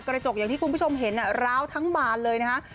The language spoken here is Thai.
กระจกอย่างที่คุณผู้ชมเห็นร้าวทั้งบานเลยนะฮะ